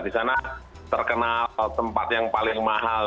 di sana terkenal tempat yang paling mahal